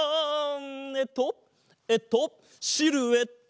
えっとえっとシルエット！